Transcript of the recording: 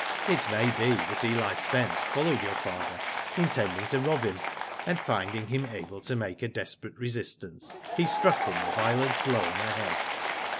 "It may be that Eli Spence followed your father, intending to rob him, and finding him able to make a desperate resistance he struck him a violent blow on the head.